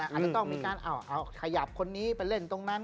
อาจจะต้องมีการเอาขยับคนนี้ไปเล่นตรงนั้น